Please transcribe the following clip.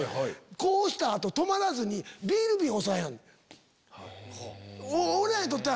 こうした後止まらずにビール瓶押さえる。